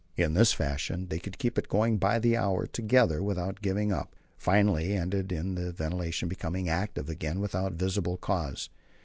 In this fashion they could keep it going by the hour together without giving up. It finally ended in the ventilation becoming active again without visible cause.